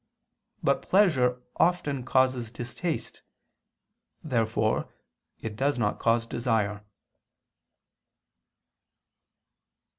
But pleasure often causes distaste. Therefore it does not cause desire.